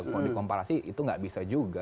kalau dikomparasi itu tidak bisa juga